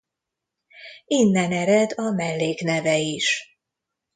Innen ered a mellékneve is.